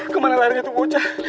kemana lari itu bocah